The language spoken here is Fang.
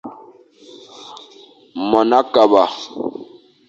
Mon a kaba.